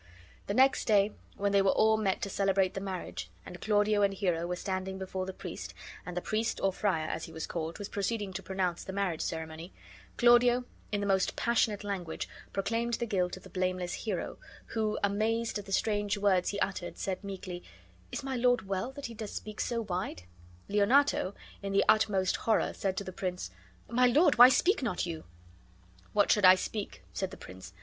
The next day, when they were all met to celebrate the marriage, and Claudio and Hero were standing before the priest, and the priest, or friar, as he was called, was proceeding to pronounce the marriage ceremony, Claudio, in the most passionate language, proclaimed the guilt of the blameless Hero, who, amazed at the strange words he uttered, said, meekly: "Is my lord well, that he does speak so wide?" Leonato, in the utmost horror, said to the prince, "My lord, why speak not you?" "What should I speak?" said the prince.